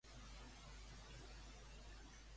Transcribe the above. Necessitaria fer una partida ràpida al "Stellaris".